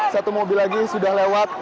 satu mobil lagi sudah lewat